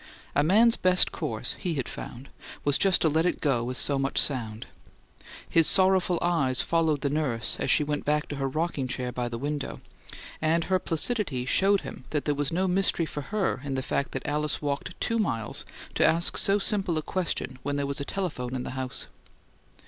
A man's best course, he had found, was just to let it go as so much sound. His sorrowful eyes followed the nurse as she went back to her rocking chair by the window, and her placidity showed him that there was no mystery for her in the fact that Alice walked two miles to ask so simple a question when there was a telephone in the house.